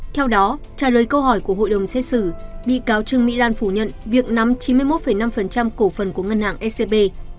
theo đó trả lời câu hỏi của hội đồng xét xử bị cáo trương mỹ lan phủ nhận việc nắm chín mươi một năm cổ phần của ngân hàng scb